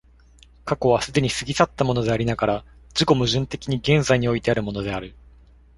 過去は既に過ぎ去ったものでありながら、自己矛盾的に現在においてあるものである。